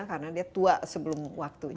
karena dia tua sebelum waktunya